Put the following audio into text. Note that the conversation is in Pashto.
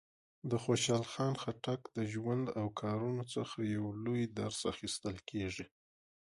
د خوشحال خان خټک د ژوند او کارونو څخه یو لوی درس اخیستل کېږي.